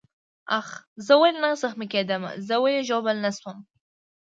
آخ، زه ولې نه زخمي کېدم؟ زه ولې ژوبل نه شوم؟